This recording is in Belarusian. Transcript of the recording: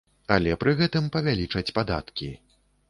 Але пры гэтым павялічаць падаткі.